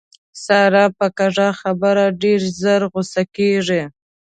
ساره په کږه خبره ډېره زر غوسه کېږي.